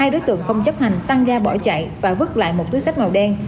hai đối tượng không chấp hành tăng ga bỏ chạy và vứt lại một túi sách màu đen